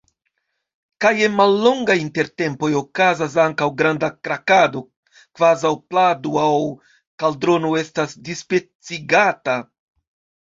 Kaj je mallongaj intertempoj okazas ankaŭ granda krakado. kvazaŭ plado aŭ kaldrono estas dispecigata.